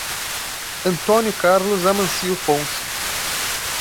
Antônio Carlos Amancio Ponce